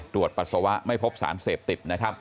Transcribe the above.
ตรวจปัสสาวะไม่พบสารเสพติบ